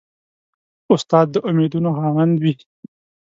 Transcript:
استاد د امیدونو خاوند وي.